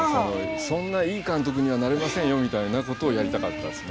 そんないい監督にはなれませんよみたいなことをやりたかったんですね。